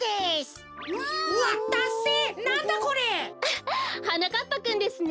フッはなかっぱくんですね。